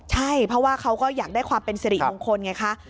ใช่เพราะว่าเขาก็อยากได้ความเป็นสิริมงคลไงคะ